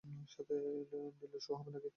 সাথে dildo show হবে নাকি?